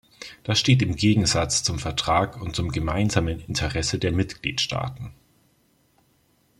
Das steht im Gegensatz zum Vertrag und zum gemeinsamen Interesse der Mitgliedstaaten.